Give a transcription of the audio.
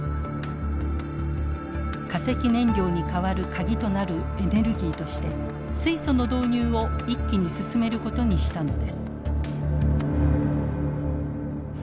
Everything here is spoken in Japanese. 化石燃料に代わる鍵となるエネルギーとして水素の導入を一気に進めることにしたのです。